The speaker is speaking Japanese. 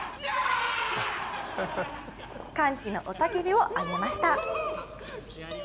歓喜の雄たけびを上げました。